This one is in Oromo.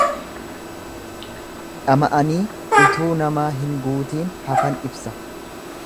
Dhama'anii utuu namaa hin guutiin hafan ibsa.